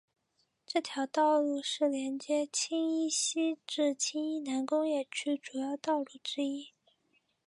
这条道路是连接青衣西至青衣南工业区主要道路之一。